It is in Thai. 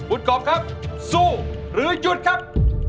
คุณกบครับสู้หรือหยุดครับ